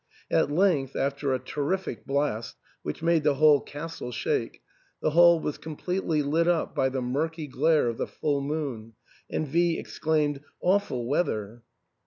At length, after a terrific blast, which made the whole castle shake, the hall was completely lit up by the murky glare of the full moon, and V exclaimed, "Awful weather!"